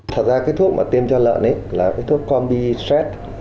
thật ra cái thuốc mà tiêm cho lợn ấy là cái thuốc combi stress